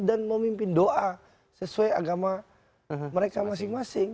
dan memimpin doa sesuai agama mereka masing masing